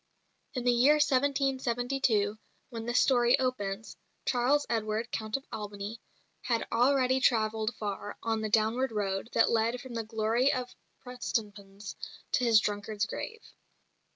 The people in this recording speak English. In the year 1772, when this story opens, Charles Edward, Count of Albany, had already travelled far on the downward road that led from the glory of Prestonpans to his drunkard's grave.